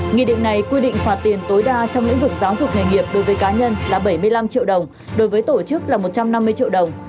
nghị định này quy định phạt tiền tối đa trong lĩnh vực giáo dục nghề nghiệp đối với cá nhân là bảy mươi năm triệu đồng đối với tổ chức là một trăm năm mươi triệu đồng